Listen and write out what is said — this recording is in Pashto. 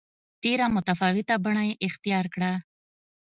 ډېره متفاوته بڼه یې اختیار کړه.